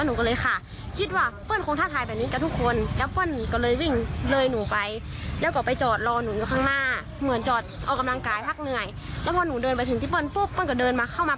หนูก็เลยแชทบอกเพื่อนแล้วก็โทรหาแม่เขาก็ยังมาหนีไป